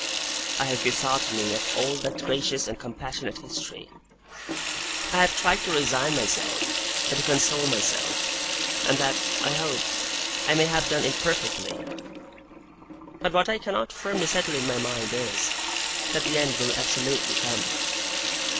I have bethought me of all that gracious and compassionate history. I have tried to resign myself, and to console myself; and that, I hope, I may have done imperfectly; but what I cannot firmly settle in my mind is, that the end will absolutely come.